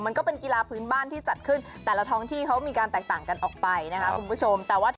มันก็เป็นกีฬาพื้นบ้านที่จัดขึ้นแต่ละท้องที่เขามีการแตกต่างกันออกไปนะคะคุณผู้ชม